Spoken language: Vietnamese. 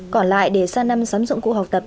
còn lại để sang năm sắm dụng cụ học tập